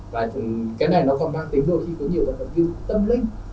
và cái này nó còn mang tính đồ khi có nhiều vận động viên tâm linh